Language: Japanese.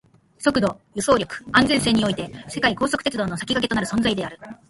速度、輸送力、安全性において世界の高速鉄道の先駆けとなる存在である